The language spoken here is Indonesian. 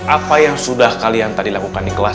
apa yang sudah kalian tadi lakukan di kelas